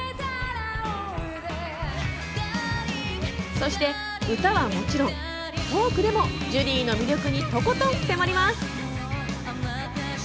そして歌はもちろん、トークでもジュリーの魅力にとことん迫ります。